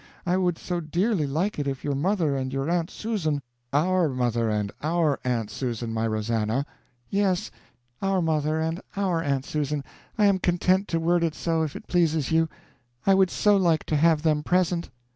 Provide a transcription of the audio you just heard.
I would so dearly like it if your mother and your Aunt Susan " "Our mother and our Aunt Susan, my Rosannah." "Yes, our mother and our Aunt Susan I am content to word it so if it pleases you; I would so like to have them present."